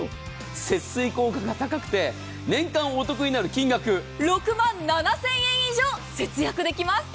節水効果が高くて、年間お得になる金額６万７０００円以上、節約できます。